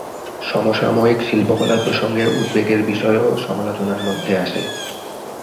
সমসাময়িক শিল্পকলা প্রসঙ্গে উদ্বেগের বিষয়ও সমালোচনার মধ্যে আসে।